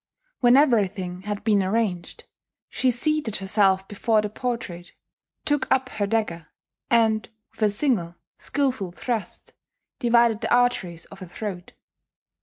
When everything had been arranged, she seated herself before the portrait, took up her dagger, and with a single skilful thrust divided the arteries of her throat.